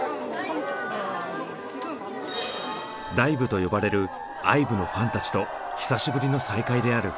ＤＩＶＥと呼ばれるＩＶＥのファンたちと久しぶりの再会である。